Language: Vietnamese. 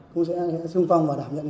cũng sẽ xuân phong và đảm nhận